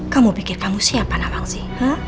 kamu pikir kamu siapa nawangsi